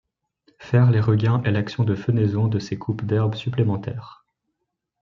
Faire les regains est l'action de fenaison de ces coupes d'herbe supplémentaires.